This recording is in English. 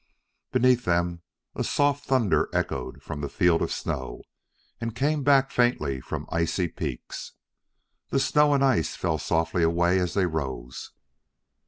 Beneath them a soft thunder echoed from the field of snow, and came back faintly from icy peaks. The snow and ice fell softly away as they rose.